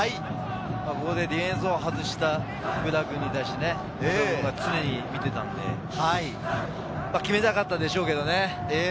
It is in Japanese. ディフェンスを外した福田君に対して、常に見ていたので、決めたかったでしょうけれどね。